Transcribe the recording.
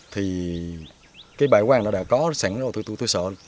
thì cái bãi quang nó đã có sẵn rồi tôi sợ